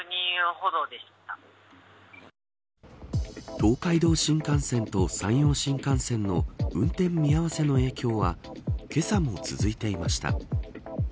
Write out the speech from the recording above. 東海道新幹線と山陽新幹線の運転見合わせの影響はけさも続いていました。